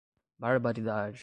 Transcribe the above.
Barbaridade